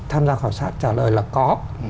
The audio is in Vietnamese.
tham gia khảo sát trả lời là có